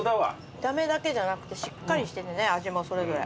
見た目だけじゃなくてしっかりしててね味もそれぞれ。